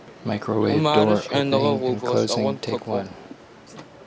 Умарэ щыӀэныгъэ гъогу гъэшӀэгъон къыкӀугъ.